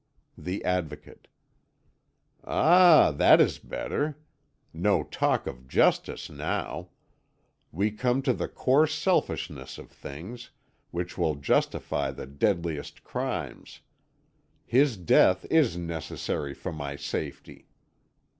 The Advocate: "Ah, that is better. No talk of justice now. We come to the coarse selfishness of things, which will justify the deadliest crimes. His death is necessary for my safety!